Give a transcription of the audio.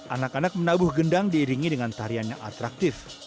anak anak menabuh gendang diiringi dengan tarian yang atraktif